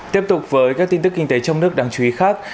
tiếp tục với các tin tức kinh tế trong nước đáng chú ý khác